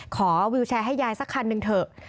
ขอวิวแชร์ให้ยายสักคันหนึ่งเถอะ